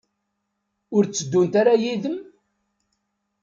Ur tteddunt ara yid-m?